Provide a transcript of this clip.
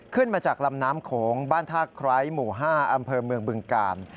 ขึ้นมาจากลำน้ำโขงบ้านท่าไคร้หมู่๕อำเภอเมืองบึงกาล